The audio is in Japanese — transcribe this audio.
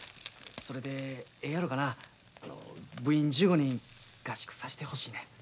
それでええやろかな部員１５人合宿さしてほしいねん。